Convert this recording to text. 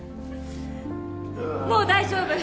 もう大丈夫！